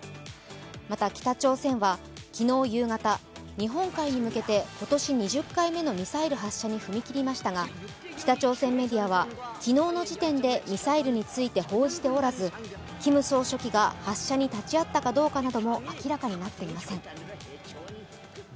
また、北朝鮮は、昨日夕方日本海に向けて今年２０回目のミサイル発射に踏み切りましたが、北朝鮮メディアは昨日の時点でミサイルについて報じておらずキム総書記が発射に立ち会ったかどうかも明らかになっていません。